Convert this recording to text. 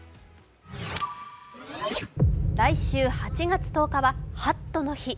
来週８月１０日はハットの日。